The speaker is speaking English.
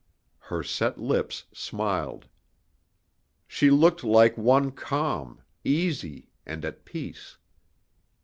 Her set lips smiled. She looked like one calm, easy, and at peace.